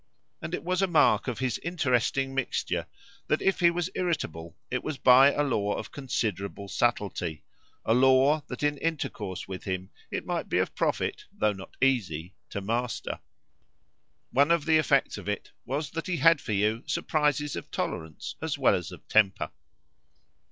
And it was a mark of his interesting mixture that if he was irritable it was by a law of considerable subtlety a law that in intercourse with him it might be of profit, though not easy, to master. One of the effects of it was that he had for you surprises of tolerance as well as of temper.